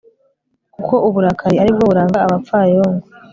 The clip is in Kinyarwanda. kuko uburakari ari bwo buranga abapfayongo